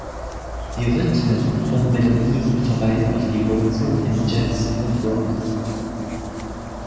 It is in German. Die Rhythmen und Melodien verweisen auf die Wurzeln im Jazz und Rock.